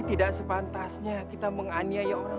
satu peringatan buat kalian